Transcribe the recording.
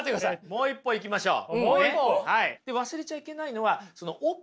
もう一歩いきましょう。